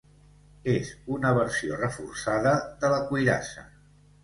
És una versió reforçada de la cuirassa.